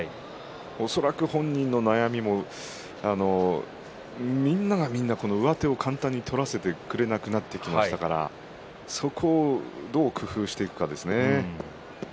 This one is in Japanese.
恐らく本人の悩みもみんながみんな上手を簡単に取らせてくれなくなってきましたからそこをどう工夫していくかですね。